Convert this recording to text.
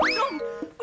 eh jangan dong